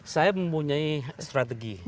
saya mempunyai strategi